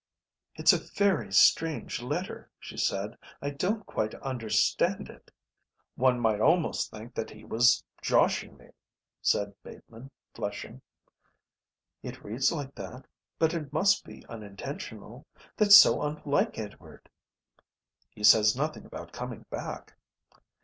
"It's a very strange letter," she said. "I don't quite understand it." "One might almost think that he was joshing me," said Bateman, flushing. "It reads like that, but it must be unintentional. That's so unlike Edward." "He says nothing about coming back."